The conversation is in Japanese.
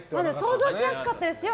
想像しやすかったですよね。